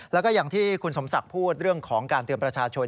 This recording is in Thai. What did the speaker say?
แล้วก็อย่างที่คุณสมศักดิ์พูดเรื่องของการเตือนประชาชน